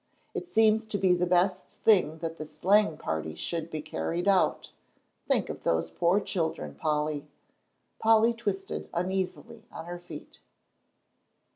It seems to be the best thing that this sleighing party should be carried out. Think of those poor children, Polly." Polly twisted uneasily on her feet.